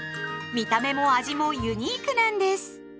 見た目も味もユニークなんです。